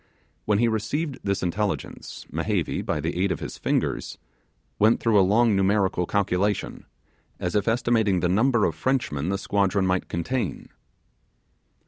When he received this intelligence, Mehevi, by the aid of his fingers, went through a long numerical calculation, as if estimating the number of Frenchmen the squadron might contain.